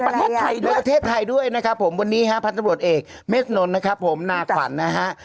ในประเทศไทยด้วยนะครับผมวันนี้ภัทรบรวจเอกเมฆน้นนะครับผมนาขวัญนะฮะ